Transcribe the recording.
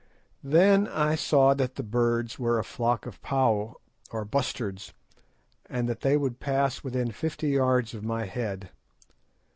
Then I saw that the birds were a flock of pauw or bustards, and that they would pass within fifty yards of my head.